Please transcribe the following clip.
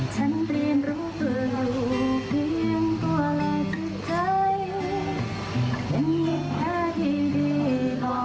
ฉันเปลี่ยนรู้ตัวอยู่เพียงตัวและที่ใจยังมีแค่ที่ดีกว่ากัน